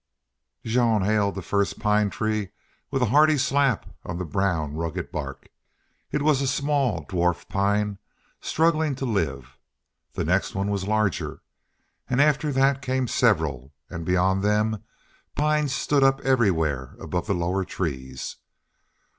Jean hailed the first pine tree with a hearty slap on the brown, rugged bark. It was a small dwarf pine struggling to live. The next one was larger, and after that came several, and beyond them pines stood up everywhere above the lower trees.